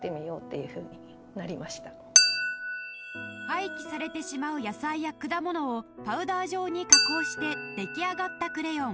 廃棄されてしまう野菜や果物をパウダー状に加工して出来上がったクレヨン